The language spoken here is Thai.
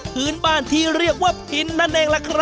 พื้นบ้านที่เรียกว่าพินนั่นเอง